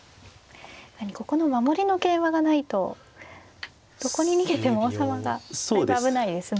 ここの守りの桂馬がないとどこに逃げても王様がだいぶ危ないですね。